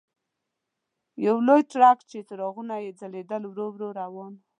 یو لوی ټرک چې څراغونه یې ځلېدل ورو ورو روان و.